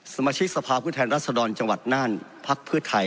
สมาชิกสภาพข้อแทนรัฐสดรจังหวัดนั่นพรพฤทธิภาพไทย